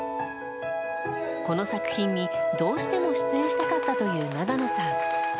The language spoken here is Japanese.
この作品に、どうしても出演したかったという永野さん。